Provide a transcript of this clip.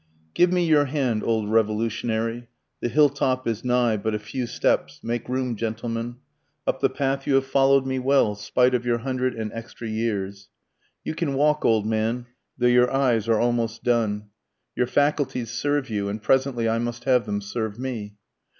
_ Give me your hand old Revolutionary, The hill top is nigh, but a few steps, (make room gentlemen,) Up the path you have follow'd me well, spite of your hundred and extra years, You can walk old man, though your eyes are almost done, Your faculties serve you, and presently I must have them serve me.